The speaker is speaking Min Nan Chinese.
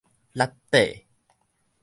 塌底